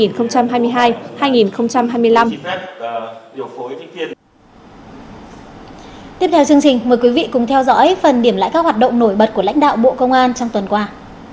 tiếp theo chương trình mời quý vị cùng theo dõi phần điểm lại các hoạt động nổi bật của lãnh đạo bộ công an trong tuần qua